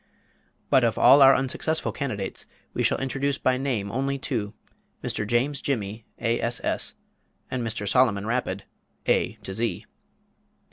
But of all our unsuccessful candidates, we shall introduce by name only two Mr. James Jimmy, A.S.S., and Mr. Solomon Rapid, A. to Z.